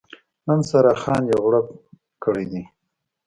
نن سارا ځان یو غړوپ کړی دی.